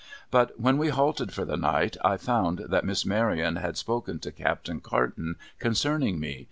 But, when we halted for the night, I found that Miss Maryon had spoken to Captain Carton concerning me.